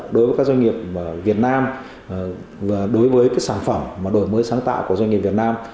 đối với các doanh nghiệp việt nam đối với sản phẩm mà đổi mới sáng tạo của doanh nghiệp việt nam